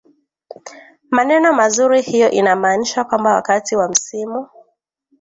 maneno mazuri hiyo inamaanisha kwamba wakati wa msimu